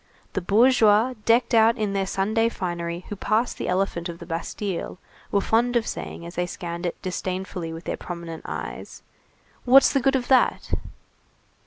The bourgeois decked out in their Sunday finery who passed the elephant of the Bastille, were fond of saying as they scanned it disdainfully with their prominent eyes: "What's the good of that?"